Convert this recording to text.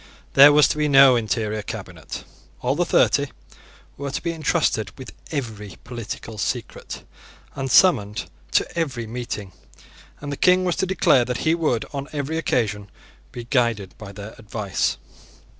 There was to be no interior cabinet. All the thirty were to be entrusted with every political secret, and summoned to every meeting; and the King was to declare that he would, on every occasion, be guided by their advice.